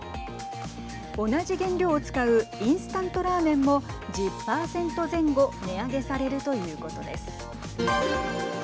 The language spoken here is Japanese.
同じ原料を使うインスタントラーメンも１０％前後値上げされるということです。